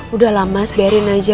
udah lah mas bayarin aja